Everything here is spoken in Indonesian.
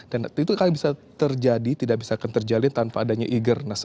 dan itu kalian bisa terjadi tidak bisa terjalin tanpa adanya eagerness